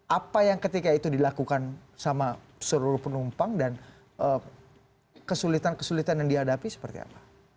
apa yang ketika itu dilakukan sama seluruh penumpang dan kesulitan kesulitan yang dihadapi seperti apa